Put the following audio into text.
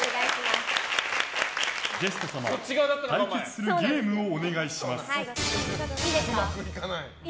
ゲスト様、対決するゲームをお願いします。